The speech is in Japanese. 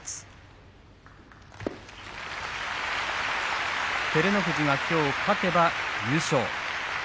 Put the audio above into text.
拍手照ノ富士がきょう勝てば優勝。